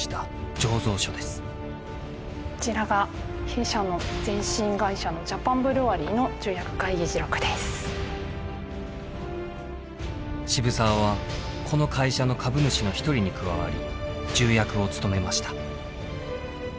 こちらが弊社の前身会社の渋沢はこの会社の株主の一人に加わり重役を務めました。